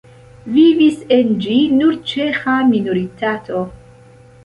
Vivis en ĝi nur ĉeĥa minoritato.